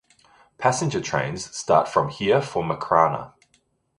Passenger trains start from here for Makrana.